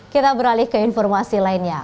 kita beralih ke informasi lainnya